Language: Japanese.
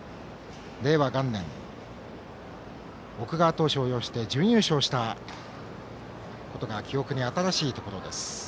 令和元年、奥川投手を擁して準優勝したことが記憶に新しいです。